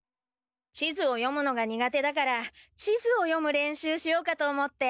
地図を読むのが苦手だから地図を読む練習しようかと思って。